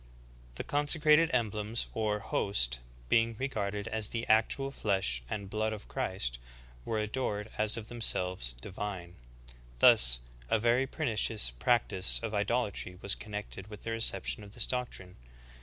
'^ 18. The consecrated emblems, or "host," being regarded as the actual flesh and blood of Christ, were adored as of themselves divine. Thus, "a very pernicious practice of idolatry was connected with the reception of this doctrine.